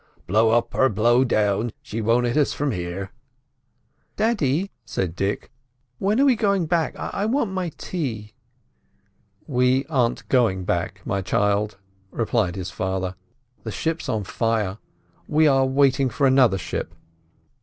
"Blow up or blow down, she won't hit us from here." "Daddy," said Dick, "when are we going back? I want my tea." "We aren't going back, my child," replied his father. "The ship's on fire; we are waiting for another ship."